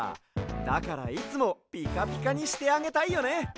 だからいつもピカピカにしてあげたいよね。